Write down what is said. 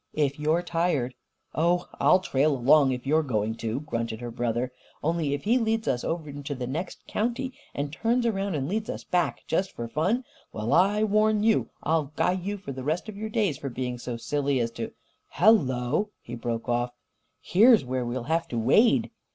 If you're tired " "Oh, I'll trail along, if you're going to!" grunted her brother. "Only, if he leads us over into the next county and then turns around and leads us back, just for fun well, I warn you I'll guy you for the rest of your days for being so silly as to Hello!" he broke off. "Here's where we'll have to wade!"